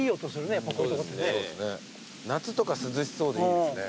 夏とか涼しそうでいいですね。